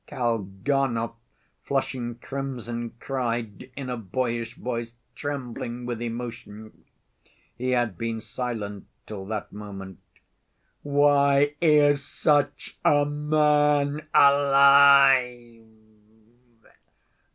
Kalganov, flushing crimson, cried in a boyish voice, trembling with emotion. He had been silent till that moment. "Why is such a man alive?"